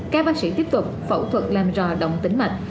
các bác sĩ tiếp tục phẫu thuật làm rò động tính mạch